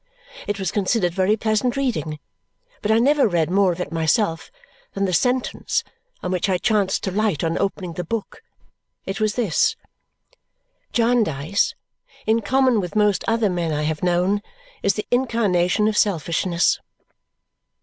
It was considered very pleasant reading, but I never read more of it myself than the sentence on which I chanced to light on opening the book. It was this: "Jarndyce, in common with most other men I have known, is the incarnation of selfishness."